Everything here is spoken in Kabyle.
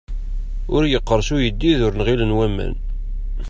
Ur yeqqers uyeddid ur nɣilen waman.